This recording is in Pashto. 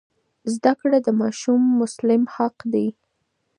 زده کړه د ماشوم مسلم حق دی.